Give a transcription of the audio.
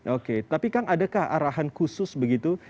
oke tapi kang adakah arahan khusus begitu